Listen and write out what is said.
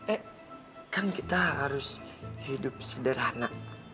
eh kan kita harus hidup sederhana